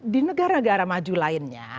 di negara negara maju lainnya